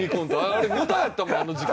あれ無駄やったもんあの時間。